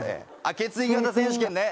血液型選手権ね。